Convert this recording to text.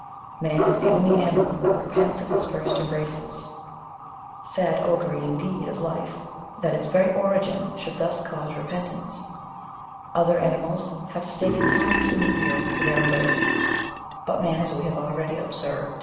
Man is the only animal that repents of his first embraces ; sad augurj^, indeed, of life, that its very origin should thus cause repentance ! Other animals have stated times in the year for their embraces ; but man, as we have already^ observed, em 37 This is probably fabulous.